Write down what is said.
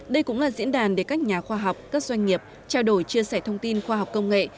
đây cũng là diễn đàn để các nhà khoa học các doanh nghiệp trao đổi chia sẻ thông tin khoa học công nghệ